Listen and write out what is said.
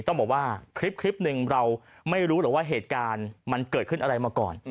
ต้องบอกว่าคลิปหนึ่งเราไม่รู้หรอกว่าเหตุการณ์มันเกิดขึ้นอะไรมาก่อน